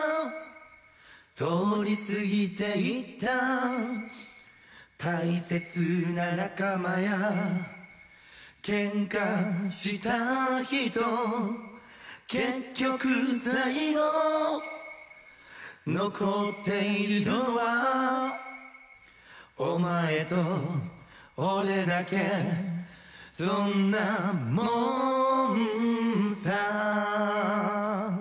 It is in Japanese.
通り過ぎていった大切な仲間や喧嘩した人結局最後残っているのはお前と俺だけそんなもんさ